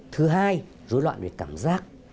thứ hai rối loạn về cảm giác